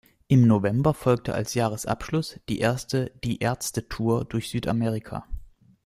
Im November folgte als Jahresabschluss die erste Die-Ärzte-Tour durch Südamerika.